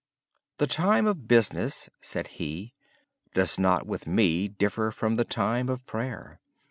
"The time of business," said he, "does not with me differ from the time of prayer.